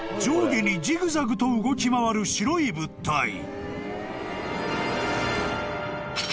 ［上下にジグザグと動き回る白い物体］